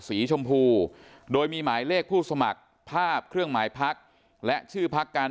สีชมพูโดยมีหมายเลขผู้สมัครภาพเครื่องหมายพักและชื่อพักการ